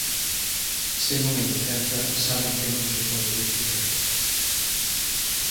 Se non hai licenza saben que non se pode edificar.